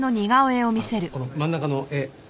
この真ん中の絵。